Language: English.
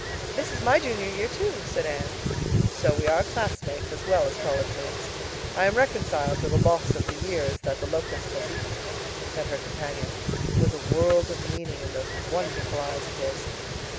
"This is my Junior year, too," said Anne. "So we are classmates as well as collegemates. I am reconciled to the loss of the years that the locust has eaten," said her companion, with a world of meaning in those wonderful eyes of his.